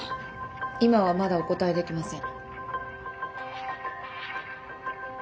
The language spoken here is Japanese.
今はまだお答えできません。